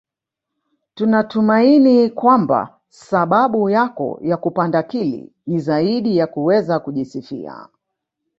Tunatumaini kwamba sababu yako ya kupanda Kili ni zaidi ya kuweza kujisifia